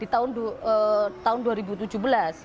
di daerah di tahun dua ribu tujuh belas gitu